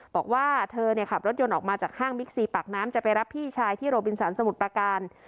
บอกว่าเธอขับรถยนต์ออกมาจากห้างบิ๊กซีปากน้ำจะไปรับพี่ชายที่โรบินสันสมุทรประการ